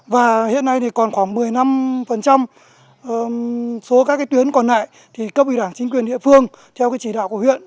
và hiện nay thì còn khoảng một mươi năm số các cái tuyến còn lại thì cấp ủy đảng chính quyền địa phương theo cái chỉ đạo của huyện